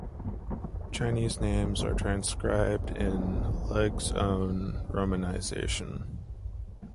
Chinese names are transcribed in Legge's own romanisation.